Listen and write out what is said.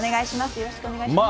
よろしくお願いします。